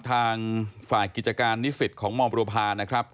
ทางฝ่ายกิจการนิสิตของมบุรพานะครับ